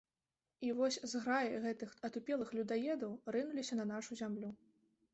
І вось зграі гэтых атупелых людаедаў рынуліся на нашу зямлю.